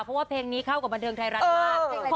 เพราะว่าเพลงนี้เข้ากับบันเทิงไทยรัฐมาก